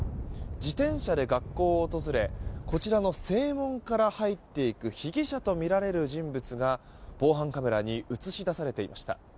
自転車で学校を訪れこちらの正門から入っていく被疑者とみられる人物が防犯カメラに映し出されていました。